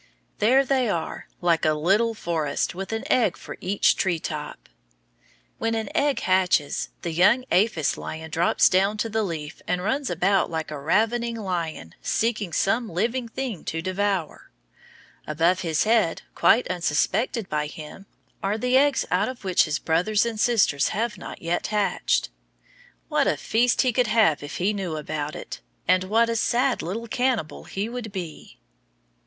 There they are, like a little forest, with an egg for each tree top. When an egg hatches the young aphis lion drops down to the leaf and runs about like a ravening lion seeking some living thing to devour. Above his head, quite unsuspected by him, are the eggs out of which his brothers and sisters have not yet hatched. What a feast he could have if he knew about it! And what a sad little cannibal he would be!